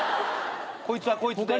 こいつはこいつで。